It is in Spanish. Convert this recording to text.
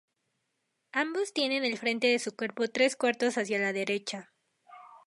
Ambos tienen el frente de su cuerpo tres cuartos hacia la derecha.